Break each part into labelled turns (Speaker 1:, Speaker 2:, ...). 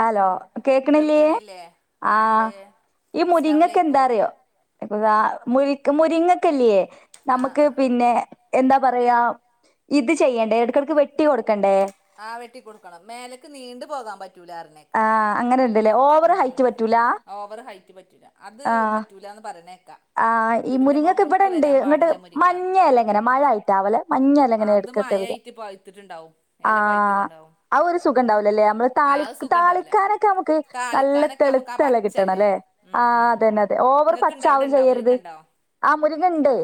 Speaker 1: Hello കേക്കണില്ലയേ
Speaker 2: കേൾക്കണില്ലേ
Speaker 1: ആ ഈ മുരിങ്ങക്കെ
Speaker 2: അസ്സലാമലൈക്കും
Speaker 1: എന്താറിയോഇപ്പദാ മുരിങ് ക്ക് മുരിങ്ങക്കല്ലെയേ
Speaker 2: ആ
Speaker 1: നമുക്ക്
Speaker 2: ആ ആ
Speaker 1: പിന്നെ എന്താ പറയാ ഇത് ചെയ്യണ്ടേ ഇടുക്കടക്ക് വെട്ടി കൊടുക്ക
Speaker 2: ആ വെട്ടി കൊടുക്കണം മേലേക്ക് നീണ്ട് പോകാൻ പറ്റൂല ആറിനെ
Speaker 1: ആഹ് അങ്ങനെ ഇണ്ടല്ലേ ഓവർ ഹൈറ്റ് പറ്റൂലാ
Speaker 2: ഓവർ ഹൈറ്റ് പറ്റൂല അത് പറ്റൂല എന്ന് പറയണെ
Speaker 1: ആ ഈ മുരിങ്ങക്കെ ഇവിടെണ്ട് ഇങ്ങോട്ട്
Speaker 2: പാടില്ല മുരിങ്ങ
Speaker 1: മഞ്ഞയല്ലേ ഇങ്ങനെ മഴ ആയിട്ടാവലെ മഞ്ഞ
Speaker 2: അത് മഴായിട്ട് പയത്തിട്ടുണ്ടാവും
Speaker 1: ആ
Speaker 2: ഇല പഴ്ത്തിട്ടുണ്ടാവും
Speaker 1: ആ ഒരു സുഖംണ്ടാവ്ല അല്ലേ നമ്മള് താളി
Speaker 2: ഉണ്ടാവില്ല
Speaker 1: താളിക്കാനൊക്കെ നമുക്ക് നല്ല
Speaker 2: താളിക്കാനൊക്കെ നമുക്ക് ആ
Speaker 1: തെളുത്തെല കിട്ടണം
Speaker 2: പച്ചല്ലേ
Speaker 1: അല്ലേ ആ
Speaker 2: ഉം ഉം
Speaker 1: അത്
Speaker 2: ഉം
Speaker 1: തന്നെ അതെ ഓവർ
Speaker 2: നിങ്ങൾക്ക്
Speaker 1: പച്
Speaker 2: ഉണ്ടോ അവിടെ
Speaker 1: ചാവും
Speaker 2: ഉണ്ടോ മുരിങ്ങ
Speaker 1: ചെയ്യരുത്
Speaker 2: ഉണ്ടോ
Speaker 1: ആ മുരിങ്ങ ണ്ട്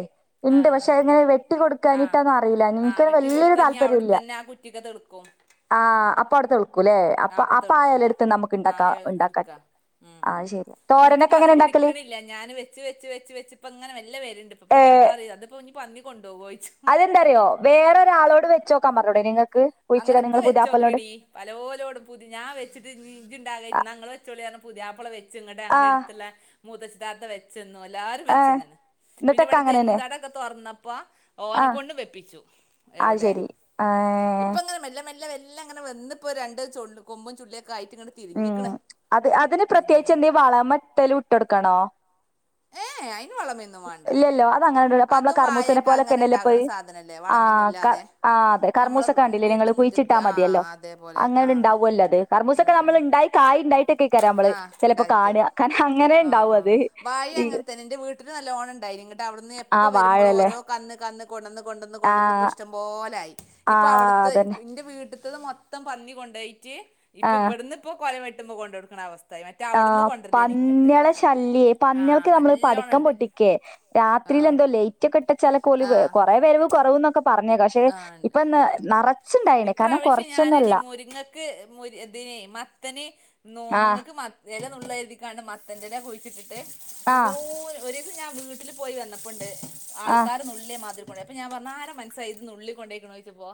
Speaker 2: ആ
Speaker 1: ഉണ്ട്
Speaker 2: ആ
Speaker 1: പക്ഷെ ഇങ്ങനെ വെട്ടി
Speaker 2: ആ ആ
Speaker 1: കൊടുക്കാഞിട്ടാന്ന് അറിയ
Speaker 2: ആ
Speaker 1: നിക്ക്
Speaker 2: വെട്ടി
Speaker 1: വല്യൊരു
Speaker 2: കൊടുത്താൽ ഞാൻ അവിടെ
Speaker 1: താല്പര്യല്ല
Speaker 2: തന്നെ ആ കുറ്റിക്ക് തെളുക്കും
Speaker 1: ആ അപ്പ അടുതോളും കൂലേ,
Speaker 2: ആ
Speaker 1: അപ്പൊ
Speaker 2: തെളുക്കും
Speaker 1: അപായെല്ലേടുത്ത്
Speaker 2: ആ
Speaker 1: നമുക്ക്ണ്ടാക്ക
Speaker 2: എ-
Speaker 1: ഉണ്ടാക്കാ
Speaker 2: എടുക്കാ
Speaker 1: ആ ശരി തോരനൊക്കെ എങ്ങനെഉണ്ടാക്കും
Speaker 2: ക്കിണില്ല ഞാൻ വെച്ച് വെച്ച് വെച്ച് ഇപ്പ ഇങ്ങെ നല്ലെ വേദനേണ്ട് ഇപ്പ
Speaker 1: ഏ
Speaker 2: പുതിയാപ്പള അറിയാ അത്പ്പോ ഇനി പന്നികൊണ്ട്
Speaker 1: അതെന്താറിയോ വേറൊരാളോട് വെച്ചോക്കാൻ പറഞ്ഞൂടെ നിങ്ങക്കു
Speaker 2: അങ്ങനൊക്കെ വെച്ചോക്കെടി പലോരോ ടും പൂതി ഞാൻ വെച്ചിട്ട് ഇഞ്ണ്ടാ
Speaker 1: ആ
Speaker 2: ന്നാ ങ്ങള് വെച്ചോളി പുതിയാപ്പൊള വെച്ച് ഇങ്ങട്ട്
Speaker 1: ആ
Speaker 2: അങ്ങടെ അടുത്തുള്ള മൂത്തച്ചിട്ടാത്ത വെച്ചന്നു എല്ലാരും
Speaker 1: ഏ
Speaker 2: വെച്ചന്നന് പിന്നെ
Speaker 1: എന്നിട്ടൊക്കെ
Speaker 2: ഇവിടെ
Speaker 1: അങ്ങനെ തന്നെ
Speaker 2: തെങ്ങുംന്താടൊക്കെ തുറന്നപ്പ ഓന
Speaker 1: ആ
Speaker 2: കൊണ്ടു വെപ്പിച്ചു എവിടെ
Speaker 1: ആയെ
Speaker 2: ഇപ്പ ഇങ്ങനെ മെല്ലെ മെല്ലെ മെല്ലെ ങ്ങനെ വന്നിപ്പോ രണ്ട് ചൊള്ള് കൊമ്പും ചുള്ളിയും
Speaker 1: ഉം അത് അതിന് പ്രത്യേകിച്ച്
Speaker 2: തിരിഞ്ഞിക്കണ്
Speaker 1: എന്തേ വളോം മെട്ടലും ഇട്ടെടുക്കണോ
Speaker 2: ഏ ഏ അയിന് വളമേന്നും വേണ്ട
Speaker 1: ഇല്ലല്ലോ അത് അങ്ങനെ അപ്പൊ നമ്മളെ
Speaker 2: അതും
Speaker 1: കർമൂസനെ
Speaker 2: വായൊക്കെ
Speaker 1: പോലൊക്കെ
Speaker 2: അങ്ങനെ
Speaker 1: തന്നെയല്ലേ ഇപ്പൊ
Speaker 2: ഉണ്ടാകണ
Speaker 1: ഇത്
Speaker 2: സാധനല്ലേ
Speaker 1: ആഹ് ക
Speaker 2: വളമൊന്നുംല്ലാതെ
Speaker 1: ആഹ് അതെ കർമൂസൊക്കെ കണ്ടില്ലേ നിങ്ങള് കുഴച്ചിട്ടാ
Speaker 2: ആ
Speaker 1: മതിയല്ലോ
Speaker 2: അതേപോലെ
Speaker 1: അങ്ങനെ
Speaker 2: ആ
Speaker 1: ഉണ്ടാവ്വല്ലോ അത് കർമൂസ ക്ക
Speaker 2: ഉം ഉം
Speaker 1: നമ്മൾ ഉണ്ടായി കായ ഉണ്ടായിട്ടൊക്കെക്കരാം മ്മള്
Speaker 2: ആ
Speaker 1: ചിലപ്പോ കാണുക കാരണം അങ്ങനെ ഉണ്ടാവും അത്
Speaker 2: വാഴേം
Speaker 1: ഈ
Speaker 2: അങ്ങനെ തന്നെ എൻ്റെ വീട്ടിൽ നല്ല ഓണം ഉണ്ടായി ഇങ്ങട്ട് അവിടെന്ന് എപ്പോ
Speaker 1: ആഹ്
Speaker 2: വരുമ്പോഴും
Speaker 1: വാഴല്ലേ
Speaker 2: ഓരോ കന്ന് കന്ന് കൊണ്ടന്ന് കൊണ്ടന്ന് കൊണ്ടന്ന് ഇപ്പം
Speaker 1: ആഹ്
Speaker 2: ഇഷ്ടംപോലായി ഇപ്പൊ
Speaker 1: ആഹ്
Speaker 2: അവിടുത്തെ
Speaker 1: അതന്നെ
Speaker 2: എന്റെ വീട്ടിൽ മറ്റത് മൊത്തം പന്നി കൊണ്ടോയിട്ട് ഇപ്പൊ
Speaker 1: ആഹ്
Speaker 2: ഇവിടുന്ന് ഇപ്പോ കൊല വെട്ടുമ്പോൾ കൊണ്ട് കൊടുക്കുന്ന അവസ്ഥ
Speaker 1: ആ പന്ന്യളെ ശല്യെ
Speaker 2: ആ
Speaker 1: പന്നികൾക്ക് നമ്മള്
Speaker 2: നല്ലോണം
Speaker 1: പടക്കം
Speaker 2: ഉണ്ട്
Speaker 1: പൊട്ടിക്കേ രാത്രിൽ
Speaker 2: ആ
Speaker 1: എന്തോ ലേറ്റ് ഒക്കെ ഇട്ടാ ചെല കൊലിവ്
Speaker 2: ആഹ്
Speaker 1: കുറെപേര് വരവ് കുറവെന്നൊക്കെ പറഞ്ഞേകാ പക്ഷെ
Speaker 2: ആഹ് ഉണ്ട്
Speaker 1: ഇപ്പം എന്നാ നറ
Speaker 2: ഇപ്രാവശ്യം ഞാനീ മുരിങ്ങക്ക് മുരി ഇതിനെ മത്തന്
Speaker 1: ആഹ്
Speaker 2: നോമ്പങ്ങൾക്ക് മ ഇല നുള്ളാതിരിക്കാൻ മത്തന്റെല കുഴിച്ചിട്ടിട്ട് ഉള്ളൂ
Speaker 1: ആഹ്
Speaker 2: ഒരു ഇന്ന് ഞാൻ വീട്ടിൽ പോയി വന്നപ്പോണ്ട്
Speaker 1: ആഹ്
Speaker 2: ആൾക്കാരന്നുള്ള്യേ മാതിരി അപ്പൊ ഞാൻ പറഞ്ഞ് ആരാ മൻസ്സാ ഇത് നുള്ളി കൊണ്ടേക്ക്ണ് നോയിച്ചപ്പോ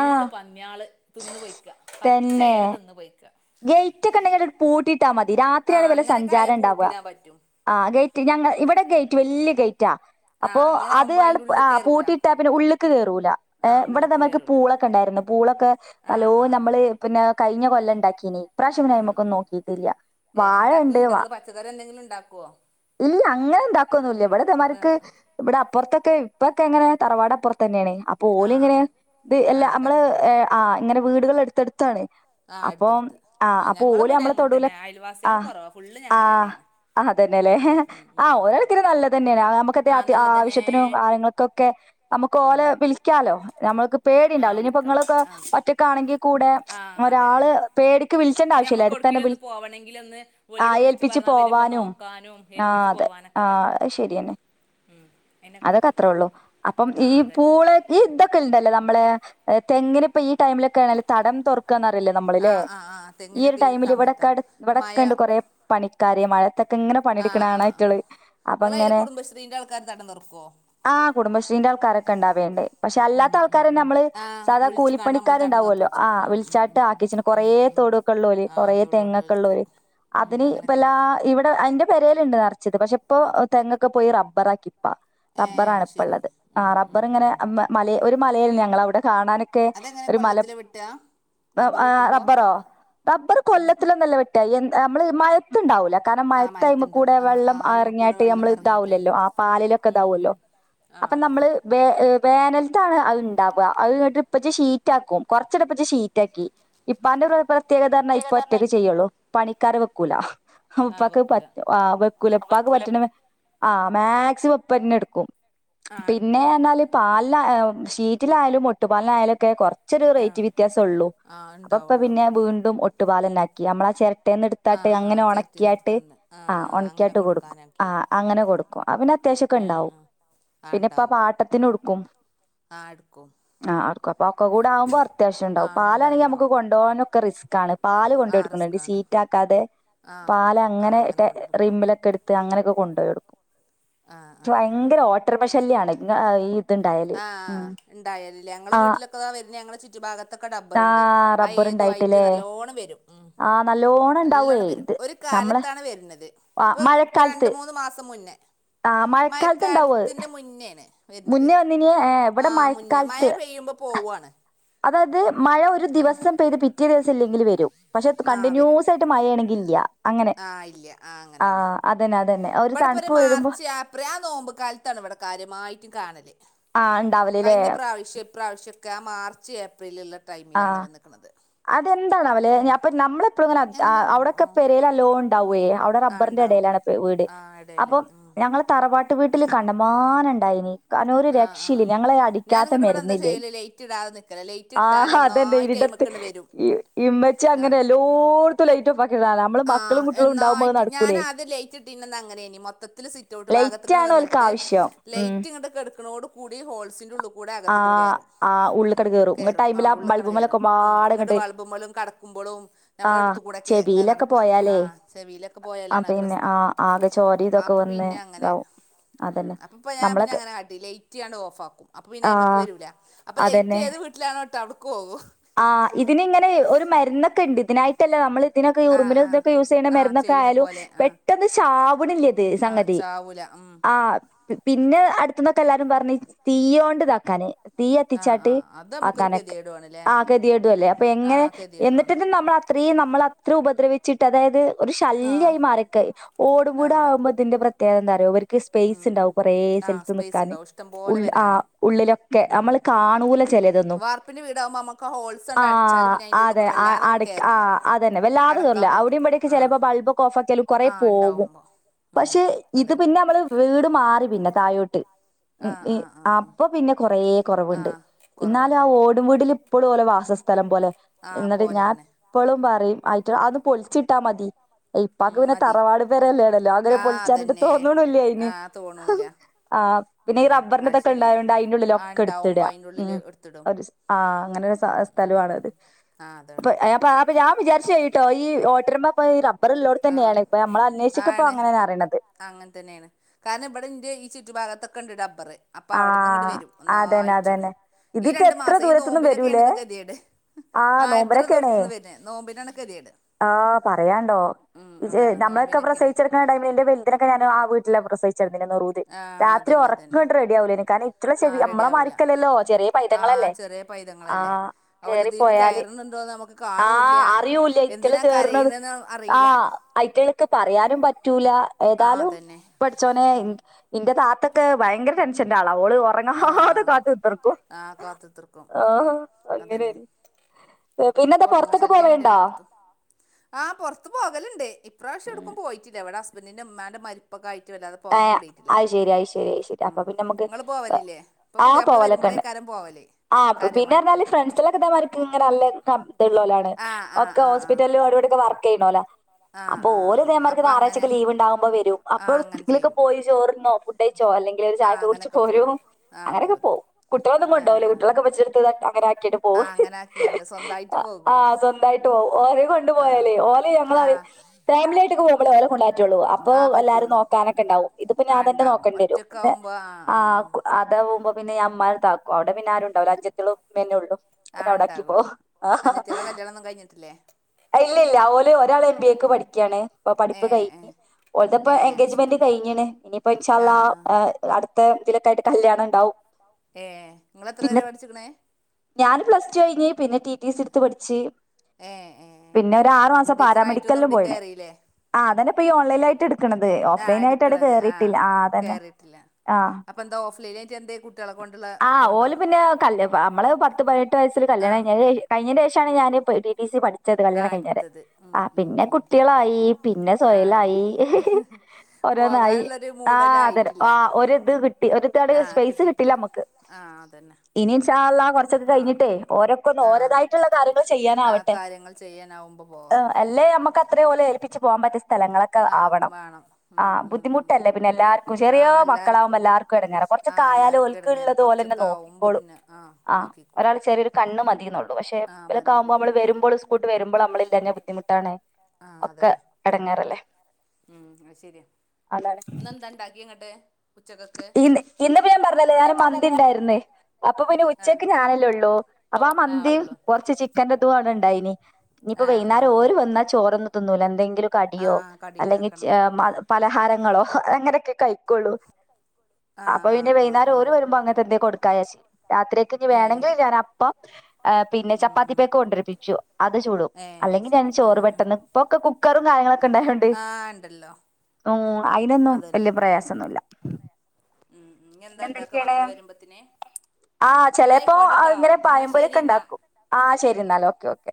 Speaker 1: ആഹ്
Speaker 2: പന്ന്യാള് തിന്ന് പൊയ്ക്ക പച്ചയെല
Speaker 1: തന്നെ
Speaker 2: തിന്ന് പോയ്ക്ക
Speaker 1: ഗേറ്റ് ഒക്കെ ഉണ്ടെങ്കി പൂട്ടിട്ട് കട്ടാൽ മതി രാത്രിയാണ്
Speaker 2: ആഹ്
Speaker 1: ഇവല
Speaker 2: അങ്ങനൊക്കെ ആയാ
Speaker 1: സഞ്ചാരം ഉണ്ടാവുക
Speaker 2: പൂട്ടിടാൻ പറ്റും
Speaker 1: ആ ഗേറ്റ് ഞ ഇവിടെ ഗേറ്റ് വലിയ ഗേറ്റ് ട്ട അപ്പോ
Speaker 2: ആഹ് അങ്ങനെ
Speaker 1: അത്
Speaker 2: ആവുമ്പോ
Speaker 1: യാൾ
Speaker 2: അയിന്റെ
Speaker 1: ആ
Speaker 2: ഉള്ളിക്ക് കേറൂല
Speaker 1: പൂട്ടിയിട്ടാ പിന്നെ ഉള്ളുക്ക് കേറൂല
Speaker 2: ആഹ്
Speaker 1: ഇവിടെ
Speaker 2: ഉള്ളിക്ക്
Speaker 1: നമുക്ക്
Speaker 2: കേറൂല
Speaker 1: പൂളൊക്കെ ഉണ്ടായിരുന്നു. സ്കൂളൊക്കെ നല്ലോ
Speaker 2: ആഹ് ആഹ്
Speaker 1: നമ്മള്
Speaker 2: ആഹ്
Speaker 1: പിന്നെ കഴിഞ്ഞ കൊല്ലം ഉണ്ടാക്കീന് ഇപ്രാവശ്യം പിന്നെ
Speaker 2: ഉം
Speaker 1: അതുമ്മക്കൊന്നും
Speaker 2: ഉം
Speaker 1: നോക്കിയിട്ടില്ല
Speaker 2: ഏഹ്
Speaker 1: വാഴണ്ട്
Speaker 2: ഇണ്ടാക്കലുണ്ടോ
Speaker 1: വാ
Speaker 2: ഇങ്ങള് പച്ചക്കറി എന്തെങ്കിലും ഇണ്ടാക്കോ
Speaker 1: ഇല്ല അങ്ങനെ ണ്ടാക്കൊന്നുല്ല ഇവിടെ ഇതേമാര്ക്ക്
Speaker 2: ഏഹ്
Speaker 1: ഇവിടെ അപ്പൊ ർത്തൊക്കെ ഇപ്പൊക്കെ എങ്ങനെ തറവാട് അപ്പൊർത്തന്നെയാണ് അപ്പൊ ഓല്
Speaker 2: ആഹ്
Speaker 1: ഇങ്ങനെ ഇത് എല്ല
Speaker 2: ആഹ്
Speaker 1: നമ്മള്
Speaker 2: ഇണ്ടാക്കുമ്പോ
Speaker 1: ആ ഇങ്ങനെ വീടുകൾ എടുത്തടുത്താണ് അ
Speaker 2: ആ ഞങ്ങള് ഇവിടെ അങ്ങ ൻതന്നെ അയൽവാസിയോള് കുറവാ ഫുള്ള് ഞങ്ങള ന്നെയാണ്.
Speaker 1: ആ അതെന്നെല്ലേ ആ ഒര് കൺക്കിന് നല്ലതെ ന്നെയാണ് നമ്മക്ക് എത്തേ
Speaker 2: ആഹ്
Speaker 1: അത്യ
Speaker 2: നല്ലതന്നെ
Speaker 1: ആവശ്യത്തിനും കാര്യങ്ങൾക്കൊക്കെ നമുക്ക്
Speaker 2: ഉം
Speaker 1: ഓലെ വിളിക്കാലോ നമ്മൾക്ക് പേടി
Speaker 2: ആഹ്
Speaker 1: ഉണ്ടാവുല്ല ഇനിപ്പൊ
Speaker 2: വിളിക്കാം
Speaker 1: ങ്ങളൊക്കെ
Speaker 2: ആഹ്
Speaker 1: ഒറ്റക്ക് ആണെങ്കി കൂടെ ഒരാള് പേടിക്ക് വിളിച്ചണ്ട
Speaker 2: ഇഞ്ഞ്
Speaker 1: ആവശ്യല്ല.
Speaker 2: ഞമ്മക്ക്
Speaker 1: അടുത്തന്നെ
Speaker 2: ഒട്ക്കേലും ഒന്ന്
Speaker 1: വിളി
Speaker 2: പോവണെങ്കിലൊന്ന് ഓലോട്
Speaker 1: ആഹ്
Speaker 2: വിളിച്ച് പറഞ്ഞാ വരുമ്പോ നോക്കാനും എൽ
Speaker 1: ആ അതെ ആ അഹ് ശരിയെന്നെ
Speaker 2: ഉം അയിനൊക്കെ
Speaker 1: അതൊക്കെ
Speaker 2: പറ്റും
Speaker 1: അത്രേ ള്ളു അപ്പം ഈ
Speaker 2: ആഹ് അതന്നെ
Speaker 1: പൂളെ ഈ ഇതൊക്കെ ഇണ്ടല്ലേ നമ്മളെ തെങ്ങിന് ഇപ്പൊ ഈ ടൈമിലൊക്കെണല്ലോ തടം തുറക്കാന്ന് റല്ലോ നമ്മള് ല്ലേ
Speaker 2: ആഹ് ആഹ് ആഹ്
Speaker 1: ഈ ഒര്
Speaker 2: തെങ്ങിനൊക്കെ
Speaker 1: ടൈമില്
Speaker 2: സമയത്താ
Speaker 1: ഇവിടക്കെ
Speaker 2: മയ
Speaker 1: ഇവിടെക്കണ്ട് കുറെ പണിക്കാര് മഴയത്തൊക്കെ ഇങ്ങനെ പണിയെടുക്ക്ണ
Speaker 2: ആഹ്
Speaker 1: കാണാ
Speaker 2: ആഹ്
Speaker 1: അയ്റ്റള് അപ്പൊ
Speaker 2: ഇങ്ങള അയില്
Speaker 1: ഇങ്ങനെ
Speaker 2: കുടുംബശ്രീന്റെ ആൾക്കാര് തടം തുറക്കൊ?
Speaker 1: ആ കുടുംബശ്രീന്റെ ആൾക്കാരൊക്കെ ണ്ടാവേണ്ട് പക്ഷെ
Speaker 2: ഉം
Speaker 1: അല്ലാത്ത
Speaker 2: ഉം
Speaker 1: ആൾക്കാരന്നെ
Speaker 2: ഉം
Speaker 1: നമ്മള്
Speaker 2: ആഹ്
Speaker 1: സാധാ
Speaker 2: വിളിച്ചു കാണ്ട് നമ്മൾ തടം
Speaker 1: കൂലിപ്പണിക്കാര്ണ്ടാവുല്ലോ
Speaker 2: തുറപ്പിച്ചു
Speaker 1: ആഹ്
Speaker 2: ഉം ഉം
Speaker 1: വിളിച്ചാട്ട്
Speaker 2: ഉം
Speaker 1: ആ
Speaker 2: ഉം
Speaker 1: കിച്ച്ണ കുറെ
Speaker 2: ഉം ഉം
Speaker 1: തൊടുകൊ ള്ളോല്
Speaker 2: ആഹ്
Speaker 1: കൊറേ തെങ്ങക്കെ
Speaker 2: തൊഴിലുള്ളോൽക്ക്
Speaker 1: ഉള്ളോല്
Speaker 2: ഉം
Speaker 1: അതിന്
Speaker 2: അങ്ങനെയൊക്കെ
Speaker 1: പ്പല്ലാ
Speaker 2: പറ്റും
Speaker 1: ഇവിടെ ഇന്റെ പെരേല്ണ്ട് നർ ച്ചത് പക്ഷെ ഇപ്പോ തെങ്ങൊക്കെ പോയി റബ്ബർ ആക്കി
Speaker 2: ഏഹ്
Speaker 1: റബ്ബറാണ്
Speaker 2: അത്
Speaker 1: ഇപ്പ
Speaker 2: ശരി
Speaker 1: ള്ളത് ആ
Speaker 2: ഉം
Speaker 1: റബർ
Speaker 2: ഉം
Speaker 1: ഇങ്ങനെ
Speaker 2: ഉം
Speaker 1: മലേ ഒര് മലേ ൽ ഞങ്ങളവിടെ കാണാനൊക്കെ
Speaker 2: അതെങ്ങനെ
Speaker 1: ഒരു മല
Speaker 2: കൊല്ലത്തില് വെട്ടാ റബ്ബർ
Speaker 1: ആ
Speaker 2: വെട്ടുമ്പോ
Speaker 1: റബ്ബറോ? റബ്ബർ
Speaker 2: ഉം
Speaker 1: കൊല്ലത്തിലോന്നല്ല വെട്ടാ എ നമ്മള് മയത്ത്ണ്ടാവൂല കാരണം
Speaker 2: ആഹ്
Speaker 1: മഴത്ത് അയിമ കൂടെ
Speaker 2: മയത്തുണ്ടാവില്ല ആഹ്
Speaker 1: വെള്ളം
Speaker 2: ആഹ്
Speaker 1: ആ
Speaker 2: അയിമ്മക്കൂടെ
Speaker 1: ഇറങ്ങിയാട്ട് നമ്മൾ
Speaker 2: വെള്ളം ഇറങ്ങിയിട്ട്
Speaker 1: ഇതാവുലല്ലോ ആ പാലിലൊക്കെ
Speaker 2: ഉം ഉം
Speaker 1: ഇതാവോല്ലോ..
Speaker 2: ആഹ്
Speaker 1: അപ്പം നമ്മള്
Speaker 2: അതന്നെ
Speaker 1: വേ വേനൽ ത്താണ് അഹ് ഇണ്ടാവ അഹ് ഇങ്ങട്ട് ഇപ്പച്ചി ഷീറ്റ് ആക്കും കൊറച്ച് പ്പച്ചി ഷീറ്റാക്കി ഇപ്പന്റെ പ്ര ത്യേക താറഞ്ഞാ ഇപ്പൊ ഒറ്റക്ക് ചെയ്യുള്ളൂ പണിക്കാരെ വെക്കൂല.
Speaker 2: ആഹ്
Speaker 1: ഉപ്പാക്ക്
Speaker 2: വെക്കൂല
Speaker 1: പറ്റ ആ വെക്കൂല ഇപ്പാക്ക് പറ്റ്ണ ആ മാക്സിമം ഇപ്പന്നെ ട്ക്കും
Speaker 2: ആഹ്
Speaker 1: പിന്നെ
Speaker 2: എടുക്കും
Speaker 1: ഞ്ഞാല് പാല് ല്ല ഷീറ്റിലായാലും ഒട്ടുപാലിലാ ആയാലും ഒക്കെ കൊ ർച്ചൊരു റൈറ്റ്
Speaker 2: ആഹ്
Speaker 1: വ്യത്യാസം ഒള്ളു
Speaker 2: ആഹ്
Speaker 1: അപ്പോ പ്പ
Speaker 2: ഉണ്ടാവുള്ളൂ
Speaker 1: പിന്നെ വീണ്ടും ഒട്ടുപാലന്നാക്കി നമ്മളാ ചെര ട്ടേന്ന് ഇട്ത്താട്ട്
Speaker 2: ആഹ്
Speaker 1: അങ്ങനെ
Speaker 2: ആഹ്
Speaker 1: ഒണക്കിയാട്ട്
Speaker 2: ചിരട്ടീന്നെടുത്തണ്ട് ആഹ് ആഹ് അങ്ങനെ
Speaker 1: ആഉണക്കിയാട്ട് കൊടുക്കും ആ
Speaker 2: കൊടുക്കാനാക്കി
Speaker 1: അങ്ങനെ കൊടുക്കും അഹ് പിന്നെ അത്യാവശ്യൊക്കെ
Speaker 2: ആഹ്
Speaker 1: ഉണ്ടാവും
Speaker 2: ആഹ് ആഹ്
Speaker 1: പിന്നെ ഇപ്പ
Speaker 2: ഇണ്ടാവും
Speaker 1: പാട്ടത്തിന് കൊടുക്കും.
Speaker 2: ആഹ് എടുക്കും
Speaker 1: ആ ടുക്ക പ്പൊ ഒക്ക കൂടെ ആകുമ്പോ അത്യാവശ്യം ണ്ടാവും
Speaker 2: ആഹ് ഇണ്ട്
Speaker 1: പാലാണെങ്കി ഞമ്മക്ക്
Speaker 2: ഇണ്ടാവും
Speaker 1: കൊണ്ട്പോകാനോക്കെ റിസ് പാല് കൊണ്ട
Speaker 2: ആഹ്
Speaker 1: ട്ക്ക്ണണ്ട്
Speaker 2: റിസ്ക്കാണ്
Speaker 1: സീറ്റാക്കാതെ
Speaker 2: ആഹ്
Speaker 1: പാല
Speaker 2: ആഹ്
Speaker 1: അങ്ങനെ ട്ടേ
Speaker 2: കൊണ്ടെടുക്കും
Speaker 1: റിമ്മിലൊക്കെ ഇട്ത്ത് അങ്ങനെയൊക്കെ കൊ ണ്ടോയെട്ക്കും
Speaker 2: ആഹ് ആഹ് ആഹ്
Speaker 1: ഭയങ്കര
Speaker 2: ആഹ്
Speaker 1: ഓട്ടർമ്മ ശല്യാണ് ഈ ഇതുണ്ടായാല്
Speaker 2: ആഹ്
Speaker 1: ഉം
Speaker 2: ണ്ടാ യാല് ല്ലോ ഞങ്ങളെ
Speaker 1: ആ
Speaker 2: വീട്ടിലൊക്കൊ ദാ വരുന്നെ ഞങ്ങളെ ചുറ്റ് ഭാഗത്തൊക്കെ ടബ്ബറ്ണ്ട് ആ ഏതു
Speaker 1: ആയിട്ട് ല്ലേ
Speaker 2: ല്ലോണം വരും ഉം നല്ലോണം വരും ഉം
Speaker 1: ഇത്
Speaker 2: ഒര്
Speaker 1: നമ്മള്
Speaker 2: കാലത്താണ് വര്ണത്
Speaker 1: ആ
Speaker 2: ഇപ്പോ പ്പോ
Speaker 1: മഴക്കാലത്ത്
Speaker 2: രണ്ട് മൂന്ന് മാസം മുന്നേ
Speaker 1: ആഹ് മഴക്കാലത്ത്
Speaker 2: മഴക്കാലത്തിന്റെ മുന്നോണ് വര്ണത്
Speaker 1: ഏ ഇവിടെ മഴക്കാലത്ത്
Speaker 2: പോവാണ്
Speaker 1: അതായത് മഴ ഒരു ദിവസം പെയ്ത് പി റ്റേ ദിവസം ഇല്ലെങ്കിൽ വരും പക്ഷെ കണ്ടിന്യൂസ് ആയിട്ട് മഴെണെങ്കി ഇല്ല അങ്ങനെ
Speaker 2: ആ ഇല്ല ആഅങ്ങനന്നെ
Speaker 1: ആഹ് അതന്നെ അതന്നെ ഒരു
Speaker 2: ഇവിടെ പ്പൊര്
Speaker 1: തണുപ്പ് വരുമ്പോ
Speaker 2: മാർച്ച് ഏപ്രി ആ നോമ്പ് കാലത്താണ് ഇവിടെ കാര്യമായിട്ടും കാണല്
Speaker 1: ആഹ് ഉണ്ടാവലല്ലേ
Speaker 2: കഴിഞ്ഞ പ്രാവശ്യം ഇപ്രാവശ്യക്കെ മാർച്ച് ഏപ്രില് ള്ള
Speaker 1: ആ അതെന്താണാവലെ അപ്പൊ നമ്മള ആ
Speaker 2: എന്താണാവോ
Speaker 1: അവിടൊക്കെ
Speaker 2: ആഹ്
Speaker 1: പെരേല് നല്ലോ ണ്ടാവേ അവടെ
Speaker 2: ആഹ്
Speaker 1: റബ്ബറിന്റെ
Speaker 2: ഉണ്ടാവും
Speaker 1: ഇടയിലാണ് പ ഇ വീട്.
Speaker 2: ആഹ് ഇടയില്
Speaker 1: അപ്പം
Speaker 2: ഉം
Speaker 1: ഞങ്ങളെ തറവാട് വീട്ടിൽ കണ്ടമാനണ്ടായിനി
Speaker 2: ആഹ് ആഹ് ഞാൻ ഇങ്ങട്ട് ഇവിടെ എന്താ
Speaker 1: മരുന്നില്ലേനി
Speaker 2: ചെയ്യല് ലേറ്റ് ഇടാതെ നിക്കല ലേയ്റ്റ്
Speaker 1: ആഹ്
Speaker 2: ഇട്ടാലൊ
Speaker 1: അതന്നെ ഇര്ടത്ത് ഇമ്മച്ചി അങ്ങെനെ എല്ലോട്ത്ത് ലേയ്റ്റും
Speaker 2: ആഎന്നായിട്ട്
Speaker 1: നടക്കൂലേ
Speaker 2: ഞാനാദ്യ ലേറ്റി ട്ടിന്നങ്ങനെ മൊത്തത്തില് സിറ്റ്ഔട്ട് ഭാഗത്ത്
Speaker 1: ലൈറ്റ്
Speaker 2: ക്ണ്
Speaker 1: ആണ് ഓൽക്ക്
Speaker 2: ന്നട്ട്
Speaker 1: ആവശ്യം ഉം
Speaker 2: ലൈറ്റ് ഇങ്ങട്ട്കട്ക്ക്ണോട് കൂടി ഹോൾസിന്റെ ഉള്ള് കൂടെ അകത്ത് ക്ങ്ങട്ട്
Speaker 1: ആഹ്
Speaker 2: കയറും
Speaker 1: ആഹ് ഉള്ള്ക്കട് കേറും ഇങ്ങട്ട്
Speaker 2: കയറും ആ
Speaker 1: അയ്മല്
Speaker 2: ഉള്ള്ക്കാണ്ട് കയറും
Speaker 1: ബൾബുമ്മലൊക്കെപാടെ
Speaker 2: ഇങ്ങട്ട് വൾ ബ്മലും കടക്കും മ്പള്ളും
Speaker 1: ആഹ്
Speaker 2: ഞമ്മളട്ത്ത് കൂടെക്കെ ങ്ങനെ നട
Speaker 1: ചെവിയിലൊക്കെ
Speaker 2: ആ
Speaker 1: പോയാലേ
Speaker 2: ചെവിയിലൊക്കെ
Speaker 1: ആ
Speaker 2: പോയാലാണ്
Speaker 1: പിന്നെ
Speaker 2: പ്രശ്നം
Speaker 1: ആ ആകെ ചോരിം ഇതൊക്കെ
Speaker 2: അപ്പൊ
Speaker 1: വന്ന്
Speaker 2: പിന്നെ അങ്ങനെ
Speaker 1: ഇതാവും
Speaker 2: ഉ
Speaker 1: അതന്നെ
Speaker 2: അപ്പപ്പോ ഞാൻ പിന്നെ
Speaker 1: നമ്മളൊക്കെ
Speaker 2: അങ്ങനെ കാട്ടി ലൈറ്റ്ണ്ട് ഓഫ് ആക്കും പിന്നെ അയ്മക്ക്
Speaker 1: ആഹ്
Speaker 2: വരൂല്ല. അപ്പൊ ലൈറ്റ് ഏത് വീലാണോട്ട അവിടു
Speaker 1: ആ ഇതിനിങ്ങനെ ഒരു മരുന്നൊക്കെണ്ട് ഇതിനായിട്ടല്ല മ്മള് ഇതിനൊക്കെ യൂ
Speaker 2: ആഹ് ആഹ്
Speaker 1: റുമ്പിനെക്കെ യൂസെയ്യ്ണ
Speaker 2: ആഹ്
Speaker 1: മരുന്നൊക്കെ
Speaker 2: ചെയ്യണ
Speaker 1: ആയാലും
Speaker 2: പോലെ ആഹ്
Speaker 1: പെട്ടെന്ന് ചാവും വിടല്ലത്
Speaker 2: ആഹ്
Speaker 1: സംഗതി
Speaker 2: ചാവൂല ഉം
Speaker 1: ആ ത് പിന്നെ അടുത് ന്നൊക്കെ എല്ലാരും പറഞ് തീയ് കൊണ്ട്താക്കാന്
Speaker 2: ആഹ് ആഹ് അത് നമുക്കൊരു
Speaker 1: തീയ്യത്തിച്ചാണ്ട്ആക്കാനൊക്കെ
Speaker 2: ഗതികേടുവാണല്ലേ
Speaker 1: ആ കെതേടുഅല്ലേ അപ്പൊ എങ്ങനെ
Speaker 2: ആഹ് ഗതികേടുവാണ്
Speaker 1: എന്നിട്ടറ്റും നമ്മള് അത്രേം നമ്മൾ അത്രും ഉപദ്രവിച്ചിട്ട് അതായത് ഒരു
Speaker 2: ആഹ്
Speaker 1: ശല്യമായി മാറ്യക്ക. ഓടും
Speaker 2: ആഹ്
Speaker 1: വീടാഉമ്പോ ഇതിന്റെ പ്രത്യേകത എന്താ റിയോ ഇവര് ക്ക്‌
Speaker 2: ഉം ഉം
Speaker 1: സ്പേസ്ണ്ടാവും കൊറേ
Speaker 2: ആഹ്
Speaker 1: സ്ഥലത്ത്
Speaker 2: സ്പേസ്
Speaker 1: നിക്കാന്.
Speaker 2: ഉണ്ടാവും ഇഷ്ടം പോലെ
Speaker 1: ഉൾ ആ
Speaker 2: വരാന്
Speaker 1: ഉള്ളിലൊക്കെ നമ്മള് കാണൂല ചെല തൊന്നും
Speaker 2: വാർപ്പിന്റെ വീടാകുമ്പോ നമുക്ക് ഹോൾസണ്ട്
Speaker 1: ആ
Speaker 2: അടിച്ചാല് പിന്നെ അതിന്റെ ഉള്ളിൽ
Speaker 1: അതെ
Speaker 2: കൂടെ
Speaker 1: ആ
Speaker 2: വല്ലാതെ അങ്ങോട്ട്
Speaker 1: അട്കെ ആ
Speaker 2: കയറൂല
Speaker 1: അതന്നെ വല്ലാതെ
Speaker 2: അടക്കാൻ
Speaker 1: കേർല്ല.
Speaker 2: പറ്റും
Speaker 1: അവിടെവിടെക്കെ
Speaker 2: ആഹ്
Speaker 1: ചെലേപ്പോ ബൾബ് ഒക്കെ ഓഫാക്യാലും കൊറെ
Speaker 2: ആഹ്
Speaker 1: പോകും
Speaker 2: ഉണ്ടാവുമ്പോ ഉം
Speaker 1: പക്ഷെ ഇത്
Speaker 2: അതന്നെ
Speaker 1: പിന്നെ അമ്മള് വീട് മാറി പിന്നെ താഴോട്ട്
Speaker 2: ആഹ് ആഹ് ആഹ് ആ
Speaker 1: ഇപ്പൊ പിന്നെ കൊറേ കൊറവ്ണ്ട്. ഇന്നാലും ആ
Speaker 2: കുറവുണ്ട്
Speaker 1: ഓടും വീടില് ഇപ്പളു ഓലെ വാസസ്ഥലം പോലെ
Speaker 2: ആഹ്
Speaker 1: എന്നട്ട് ഞാൻ
Speaker 2: പോലെയാണ്
Speaker 1: എപ്പോളും പറിം അയിറ്റ അഒന്ന് പൊളിച്ചിട്ടാ മതി
Speaker 2: ഉം
Speaker 1: ഇപ്പാക്ക് പിന്നെ
Speaker 2: മതി
Speaker 1: തറവാട് പേരേല്ലേണല്ലോ അങ്ങന
Speaker 2: ആഹ്
Speaker 1: പൊൾച്ചാനട്ട്
Speaker 2: അതന്നെ
Speaker 1: തോന്ന്ണില്ല അയ്ന്.
Speaker 2: ആഹ് തോണൂല്ല
Speaker 1: ആ അ പിന്നെ ഈ
Speaker 2: ഉം
Speaker 1: റബ്ബർന്റെ
Speaker 2: അത്
Speaker 1: തൊക്കെ
Speaker 2: ശരിയാണ്
Speaker 1: ണ്ടായോ ത
Speaker 2: ആഹ്
Speaker 1: അയിന്റെുള്ളില്ഒക്കെ എടുത്തിട.
Speaker 2: ഉണ്ടാവുമ്പോ അതിൻ്റെ ഉള്ളിൽ
Speaker 1: ഉം
Speaker 2: എടുത്തിടും
Speaker 1: ഒരുസ് ആ അങ്ങനെ ഒരു സാഎ
Speaker 2: ഉം
Speaker 1: സ്ഥലു
Speaker 2: ഉം
Speaker 1: ആണത്.
Speaker 2: ആ
Speaker 1: അപ്പൊ
Speaker 2: അതാണ്
Speaker 1: എയാപ ആപ് ഞാൻ വിചാരിച്ചോയ് ട്ടോ ഈ ഓട്ടരുമപ്പ റബ് ബർ ഉള്ളോട്
Speaker 2: ആ
Speaker 1: തന്നെയാണ്പ്പൊ അമ്മൾ അന്വേഷ്ച്ചിക്കപ്പോ അങ്ങനെയാണ് അറിണത്
Speaker 2: അങ്ങൻ തന്നെണ്. കാരണം ഇവിടെ ഇന്റെ ഈ ചുറ്റു ഭാഗത്തൊക്കെ ഉണ്ട് ഡബ്ബറ് അപ്പൊ അവിടന്ന് ഇങ്ങട്ട്
Speaker 1: ആഹ്
Speaker 2: വരും
Speaker 1: അതന്നെ
Speaker 2: ഒന്നായിട്ട്.
Speaker 1: അതന്നെ
Speaker 2: ഈ
Speaker 1: ഇതിന്റെ
Speaker 2: രണ്ടു
Speaker 1: എത്ര
Speaker 2: മാസം ഈ
Speaker 1: ദൂരത്തൊന്നും
Speaker 2: നോമ്പിനൊക്കെയാണ്
Speaker 1: വരൂലേ
Speaker 2: ഇത് കതിയേട്.
Speaker 1: ആഹ്
Speaker 2: ആ എത്ര
Speaker 1: നോമ്പരൊക്കെയാണേ
Speaker 2: ദൂരത് ന്ന് വര നോമ്പിനാണ് കെതേട്.
Speaker 1: ആഹ് പറയാണ്ടോ ഇജ് നമ്മളൊക്കെ
Speaker 2: നോമ്പിനൊക്കെയാണ്
Speaker 1: പ്രസവിച്ചെട്ക്ണ ടൈമിൽ എന്റെ വൽത് നൊക്കെ ഞാന് ആ വീട്ട്ലാ പ്രസവിച്ചെട് ന്നിഞ്ഞെ ന്നെറൂല്. രാത്രി
Speaker 2: പിന്നെ തന്നെ
Speaker 1: റെഡിയാഊലേന് കാരണം ഇത്ര ചെവി നമ്മളെ മാറിക്കലല്ലോ ചെറിയ
Speaker 2: ആ
Speaker 1: പൈതങ്ങളല്ലേ. ആ കേറി
Speaker 2: ദീക്ക്കയറുന്നുണ്ടോന്ന് നമുക്ക് കാണൂല്ല
Speaker 1: അറിയൂല്ല
Speaker 2: എന്തിനാ കരയണേന്ന് അറിയ്ല.
Speaker 1: ഐറ്റഏക്ക് പറയാനും പറ്റൂല
Speaker 2: ആ
Speaker 1: ഏതായാലും
Speaker 2: അതന്നെ
Speaker 1: പഠിച്ചോനെ ഇൻ ഇന്റെ താത്ത ക്ക്‌ ഭയങ്കര ടെൻഷന്റെ ആളാ അവള് ഉറങ്ങാതെ
Speaker 2: ആഹ്
Speaker 1: കാത്തുത്തിർക്കു.
Speaker 2: ആഹ് കാത്തുത്തിർക്കും
Speaker 1: ആ അങ്ങനെ
Speaker 2: അതന്നെ
Speaker 1: നു
Speaker 2: കോട്ടർമ ശല്യണ്ട് എല്ലോട്ത്തും ആ പൊർത്ത് പോകല്ണ്ട് ഇപ് പ്രാഷ്യം
Speaker 1: ഉം
Speaker 2: എവ്ടുക്കും പോയിട്ടില്ല വടെ ഹസ്ബൻറിന്റെ്മാ്ന്റെമരിപ്പൊക്കെ ആയി
Speaker 1: ആ അഹ്ശരി അഹ് ശരി അഹ്ശരി അപ്പ
Speaker 2: ഉം
Speaker 1: പിന്നെ നമുക്ക്
Speaker 2: നിങ്ങള്
Speaker 1: എ
Speaker 2: പോവലില്ലേ ഇപ്പൊ
Speaker 1: ആഹ്
Speaker 2: പുതിയാപ്പള്
Speaker 1: പോവലൊക്കെണ്ണ്.
Speaker 2: വരുമ്പോളേക്കാരം പോവല്
Speaker 1: ആതു
Speaker 2: കാര്യമായിട്ട്
Speaker 1: പിന്നെർഞ്ഞാല് ഫ്രണ്ട്സെളൊക്കെ ഇതെ മാരിക്ക് ങ്ങനെ നല്ല കം ത്ത്ള്ളോലാണ്.
Speaker 2: ആഹ് ആഹ്
Speaker 1: ഒക്കെ
Speaker 2: ആഹ്
Speaker 1: ഹോസ്പിറ്റൽല് അവിട ഇവിടൊക്കെവർക്കെയ്യ്ണോലാ.
Speaker 2: ആഹ്
Speaker 1: അപ്പൊ
Speaker 2: ആഹ്
Speaker 1: ഓര്
Speaker 2: ആഹ്
Speaker 1: തേന്മാർക്ക്
Speaker 2: അപ്പൊ അങ്ങനെ
Speaker 1: ഞായറാഴ്ചക്കെ ലീവ് ഉണ്ടാഉമ്പോ വരും. അപ്പോ
Speaker 2: ആഹ് അങ്ങനെ
Speaker 1: ന്നക്കെ
Speaker 2: ചെയ്യും
Speaker 1: പോയി ചോറിന്നോ പുഡയ്ച്ചോ അല്ലെങ്കിൽ ഒരു
Speaker 2: ആഹ്
Speaker 1: ചായോക്കെ കുട്ച്ച്
Speaker 2: അങ്ങനൊക്കെ
Speaker 1: പോരും.
Speaker 2: ആഹ്
Speaker 1: അങ്ങനെയൊക്കെ
Speaker 2: പോരും
Speaker 1: പോഉം കുട്ടളൊന്നും
Speaker 2: ആഹ്
Speaker 1: കൊണ്ടോവൂല്ല
Speaker 2: ആഹ്
Speaker 1: കുട്ട്യളൊക്കെ മ്മച്ചിന്റെ ട്ത്ത് ആ കിട്ട്പോവും.
Speaker 2: ആഹ് അങ്ങനെ ആക്കിയാണ്ട്
Speaker 1: അ
Speaker 2: സ്വന്തായിട്ട്
Speaker 1: ആ
Speaker 2: പോകും
Speaker 1: സ്വന്തായിട്ട് പോഉം. ഓലേ കൊണ്ട്
Speaker 2: ആഹ്
Speaker 1: പോയാലേ ഓലെ ഞമ്മളാ
Speaker 2: ആഹ്
Speaker 1: ഫാമിലിയായിട്ടൊക്ക പോഉമ്പളേ ഓലെ കൊണ്ടാആറ്റുള്ളൂ. അപ്പോ
Speaker 2: ആഹ്
Speaker 1: എല്ലാരും
Speaker 2: പറ്റുള്ളൂ
Speaker 1: നോക് ക്കാനൊക്കെ ണ്ടാവും. ഇതിപ്പോ ഞാൻ തന്നെ നോക്കേണ്ട്യരും. പിന്നെ ആ കു അത് പോഉമ്പൊ പിന്നെ ഞാ മ്മടട്ത്താക്കു. അവ്ടെ പിന്നെ ആരുണ്ടാവ് ല അഞ്ചത്യളും മ്മേല്ലുള്ളൂ.
Speaker 2: ആ ഉണ്ടാവുള്ളു അനിയത്തിടെ കല്യാണംമൊന്നും കഴിഞ്ഞിട്ടില്ലേ
Speaker 1: ഇല്ല ഇല്ല ഓല് ഒരാൾ എം ബി എക്ക് പഠിക്കയാണ് ഇപ്പൊ
Speaker 2: ഏ
Speaker 1: പഠപ്പ്
Speaker 2: ഏ
Speaker 1: കഴിഞ്ഞ് ഓൾക്ക്പ്പ
Speaker 2: ഏ അത് ശരി
Speaker 1: എൻഗേജ്മെന്റ് കഴിഞ്ണ്. ഇനിയിപ്പോ വെച്ചാ
Speaker 2: ആ
Speaker 1: അള്ളാ
Speaker 2: ആ
Speaker 1: അടുത്ത ഇതിലൊക്കൊയിട്ട് കല്യാണം ണ്ടാവും.
Speaker 2: ഏ നിങ്ങളെത്ര വരെ പഠിച്ചിക്ണേ?
Speaker 1: ഞാന് പ്ലസ് ടു കഴിഞ്ഞ് പിന്നെ ടി ടി സി എടുത്ത് പഠിച്ചു
Speaker 2: ഏ ഏ
Speaker 1: പിന്നെ ഒരു ആറു
Speaker 2: അപ്പൊ
Speaker 1: മാസം
Speaker 2: ടീച്ചറായിട്ടൊന്നും
Speaker 1: പാരാമെഡിക്കല
Speaker 2: എവിടെയും
Speaker 1: പോയിണെ
Speaker 2: കയറിയില്ലേ
Speaker 1: ആ അതെ അപ്പൊ ഈ ഓൺലൈൻ ആയിട്ട് എടുക്കണത്
Speaker 2: ആ
Speaker 1: ഓഫ്‌ലൈൻ ആയിട്ടാണ്
Speaker 2: എടുക്കണത്
Speaker 1: കേറിയിട്ടില്ല ആ തന്നെ
Speaker 2: കയറിയിട്ടില്ല അപ്പൊ എന്താ ഓഫ്‌ലൈൻ ആയിട്ട് എന്താ കുട്ടികള കൊണ്ടുള്ള
Speaker 1: ആഹ്
Speaker 2: ഇതുണ്ടോ
Speaker 1: ഓല് പിന്നെ കല് നമ്മള് പതിനെട്ട് വയസ്സിൽ
Speaker 2: ആ
Speaker 1: കല്യാണംഴ കഴിഞ്ഞന്റെ ശേഷംമാണ് ഞാൻ ടി സി പഠിക്ക ചെത്
Speaker 2: ആ
Speaker 1: കല്യാണം കഴിഞ്ഞര
Speaker 2: അടുത്തത് ഉം
Speaker 1: ആ
Speaker 2: ഉം
Speaker 1: പിന്നെ
Speaker 2: ഉം
Speaker 1: കുട്ടികളായി പിന്നെ
Speaker 2: ആയി
Speaker 1: സവയലായി ഓരോന്നായി
Speaker 2: പോകാനുള്ളൊരു
Speaker 1: ആ അതരം
Speaker 2: മൂടലായിട്ടില്ല
Speaker 1: ആ ഒരിത് കിട്ടി ഒരുത്തടെ
Speaker 2: ആ
Speaker 1: സ്പേസ് കിട്ടില്ല
Speaker 2: കിട്ടിയിട്ടില്ല
Speaker 1: നമ്മുക്ക്
Speaker 2: ആ അതന്നെ
Speaker 1: ഇനി ഇൻഷാ അല്ലാഹ് കുറച്ചൊക്കെ
Speaker 2: ആഹ്
Speaker 1: കഴിഞ്ഞിട്ടേ ഒരൊക്കെ ഒന്ന്
Speaker 2: ആഹ്
Speaker 1: ഓരതായിതട്ടുള്ള കാര്യങ്ങള് ചെയ്യാൻ
Speaker 2: ആഹ്
Speaker 1: ആവട്ടെ
Speaker 2: കാര്യങ്ങൾ ചെയ്യാനാവുമ്പോ പോവാ
Speaker 1: അല്ലെ നമുക്ക് അത്രേ പോലെ ഏൽപ്പിച്ച് പോകാൻ പറ്റിയ സ്ഥലങ്ങളൊക്കെ
Speaker 2: ആഹ്
Speaker 1: ആവണം
Speaker 2: വേണം
Speaker 1: ആ
Speaker 2: ഉം ഉം ഉം
Speaker 1: ബുദ്ധിമുട്ടല്ലെ
Speaker 2: ഉം
Speaker 1: പിന്നെ എല്ലാർക്കും ചെറിയോ
Speaker 2: ആഹ്
Speaker 1: മക്കളാവുമ്പോ
Speaker 2: എല്ലാർക്കും
Speaker 1: എല്ലർക്കും ഇടങ്ങറ കുറച്ചൊന്ന് ആയാല് ഓല്ക്ക് ഉള്ളത് പോലെന്ന
Speaker 2: ക്ക ആവുമ്പോ പിന്നെ ആ നോക്കിക്കോളൂ
Speaker 1: ചെറിയൊരു കണ്ണ് മതിയുന്നുള്ളൂ പക്ഷേ ഇതക്കെ ആവുമ്പോ നമ്മള് വരുമ്പോളും സ്കൂട്ട് വരുമ്പോൾ നമ്മള ഇല്ലന്നെ ബുദ്ധിമുട്ടാണ്
Speaker 2: ആഹ്
Speaker 1: ഒക്കെ
Speaker 2: അതന്നെ
Speaker 1: ഇടങ്ങാറല്ലേ
Speaker 2: ഉം ശരി ഇന്ന്ന്താ ഉണ്ടാക്കി ഇങ്ങട്ട് ഉച്ചക്കക്ക്
Speaker 1: ഇന്ന് ഇന്നിപ്പോ ഞാൻ പറഞ്ഞല്ലേ ഞാന മന്തി ഉണ്ടായിരുന്ന് അപ്പൊ പിന്നെ
Speaker 2: ആഹ്
Speaker 1: ഉച്ചയ്ക്ക് ഞാനല്ലേ ഉള്ളൂ അപ്പൊ ആ
Speaker 2: ആഹ്
Speaker 1: മന്തി
Speaker 2: ഉള്ളു
Speaker 1: കുറച്ച് ചിക്കന്റെതും അഡ് ണ്ട ഇനി ഇനിയിപ്പ
Speaker 2: ആഹ്
Speaker 1: വൈകേരം
Speaker 2: ആഹ്
Speaker 1: ഓര്
Speaker 2: ആഹ്
Speaker 1: വന്നാ ചോറൊന്ന് തിന്നൂല എന്തെങ്കിലും കടിയോ
Speaker 2: ആഹ് ആഹ് കടി
Speaker 1: അല്ലെങ്കിൽ
Speaker 2: ഇണ്ടാക്കണം
Speaker 1: ചെ മാ പലഹാരങ്ങളോ അങ്ങനെയൊക്കെ കഴിക്കൊള്ളു
Speaker 2: ആഹ്
Speaker 1: അപ്പൊ പിന്നെ
Speaker 2: ആഹ് ആഹ്
Speaker 1: വൈകുന്നേരം
Speaker 2: ആഹ്
Speaker 1: ഓര് വരുമ്പോ അങ്ങനത്തെ എന്തക്ക കൊടുക്കായച്ച്യ രാത്രിയക്കെ ഇ
Speaker 2: ഏഹ്
Speaker 1: വേണമെങ്കിൽ ഞാൻ അപ്പം പിന്നെ
Speaker 2: ഉം
Speaker 1: ചപ്പാത്തി
Speaker 2: ഉം
Speaker 1: പേക്ക് കൊണ്ടരിപ്പിച്ചു അത് ചൂടും
Speaker 2: ഏഹ് അത്
Speaker 1: അല്ലെങ്കിൽ ഞാൻ
Speaker 2: ശരി
Speaker 1: ചോറ്
Speaker 2: ആഹ് ആഹ്
Speaker 1: പെട്ടെന്ന് ഇപ്പൊക്കെ കുക്കറും കാര്യങ്ങളൊക്കെ ഉണ്ടായോണ്ട്
Speaker 2: ആഹ് ഇണ്ടല്ലോ
Speaker 1: ഉം അയിതിനൊന്നും
Speaker 2: അതന്നെ
Speaker 1: വല്യ പ്രയാസം ഒന്നുല്ല
Speaker 2: ഉം ഉം ഇനി എന്താ ഇണ്ടാക്ക മക്കള് വരുമ്പോത്തിനെ
Speaker 1: ആ ചെിലപ്പോ ഇങ്ങനെ പായംപൊരി ക്കെ
Speaker 2: ശരി ന്നാ
Speaker 1: ഉണ്ടാക്കും ആ ശെരി എന്നാൽ ഓക്കേ ഓക്കെ